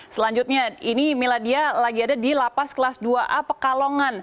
selanjutnya ini miladia lagi ada di lapas kelas dua a pekalongan